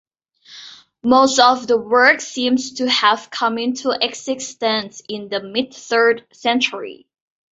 Most of the works seem to have come into existence in the mid-third century.